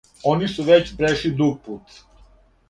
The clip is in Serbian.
Они су већ прешли дуг пут.